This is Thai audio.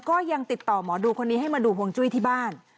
ก็ยังติดต่อหมอดูคนนี้ให้มาดูห่วงจุ้ยที่บ้าน